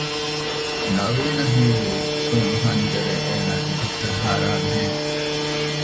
ނަވީނަށް ހީވީ ތޫނު ހަންޖަރެއް އޭނާގެ ހިތަށް ހަރާލިހެން